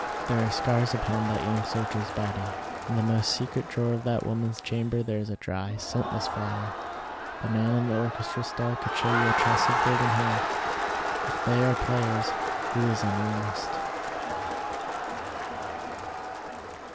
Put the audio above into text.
There are scars upon that young soldier's body; in the most secret drawer of that woman's chamber there is a dry, scentless flower; the man in the orchestra stall could show you a tress of golden hair. If they are players, who is in earnest?